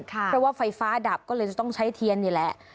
เพราะว่าไฟฟ้าดับก็เลยจะต้องใช้เทียนนี่แหละ